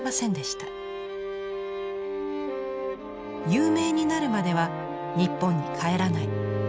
有名になるまでは日本に帰らない。